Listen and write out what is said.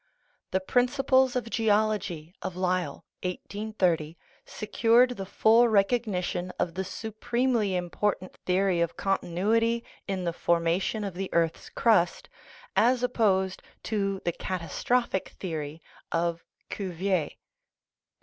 The Principles of Geology of Lyell (1830) secured the full recognition of the supremely important theory of con tinuity in the formation of the earth's crust, as opposed to the catastrophic theory of Cuvier.